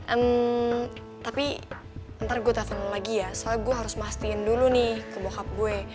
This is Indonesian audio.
ehm tapi ntar gue telfon lo lagi ya soalnya gue harus mastiin dulu nih ke bokap gue